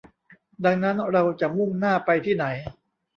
ดังนั้นเราจะมุ่งหน้าไปที่ไหน